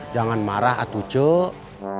jangan marah tuh cok